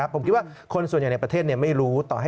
ผมคิดว่าคนส่วนใหญ่ในประเทศไม่รู้ต่อให้